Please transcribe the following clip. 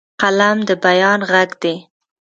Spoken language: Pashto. قلم د بیان غږ دی